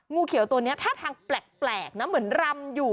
งูเขียวตัวนี้ท่าทางแปลกนะเหมือนรำอยู่